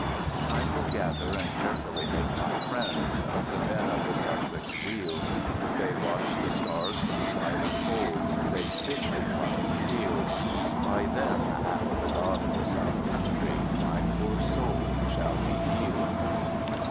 I will gather and carefully make my friends Of the men of the Sussex Weald, They watch the stars from silent folds, They stiffly plough the field. By them and the God of the South Country My poor soul shall be healed.